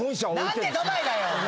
何でドバイだよ！